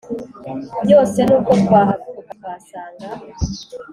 yose, nubwo twahaguruka twasanga